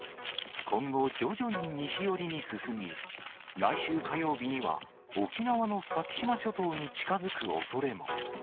今後、徐々に西寄りに進み、来週火曜日には沖縄の先島諸島に近づくおそれも。